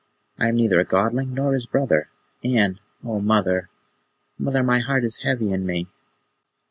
I am neither a Godling nor his brother, and O mother, mother, my heart is heavy in me."